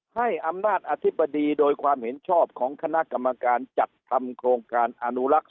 ให้อำนาจอธิบดีโดยความเห็นชอบของคณะกรรมการจัดทำโครงการอนุลักษณ